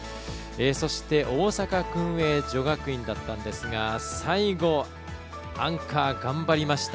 そして大阪薫英女学院だったんですが最後、アンカー頑張りました。